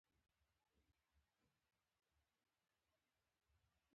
ښوونکي د خط په هر تفصیل سخت ول.